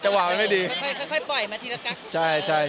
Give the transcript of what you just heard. ค่อยปล่อยมาทีละกัน